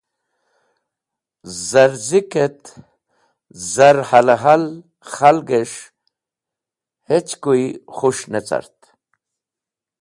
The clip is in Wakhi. Zarzikẽt zar halẽhal khalgẽs̃h hechkuy khus̃h ne cart.